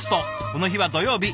この日は土曜日。